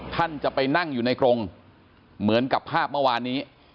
ท่านจะไปนั่งอยู่ในกรงเหมือนกับภาพเมื่อวานนี้